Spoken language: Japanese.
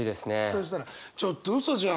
そうしたらちょっと嘘じゃん。